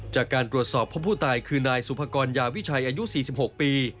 จากการตรวจสอบพบผู้ตายคือนายสุภกรยาวิชัยอายุ๔๖ปี